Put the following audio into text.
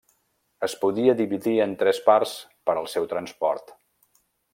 Es podia dividir en tres parts per al seu transport.